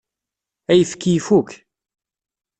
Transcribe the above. Ayefki ifuk.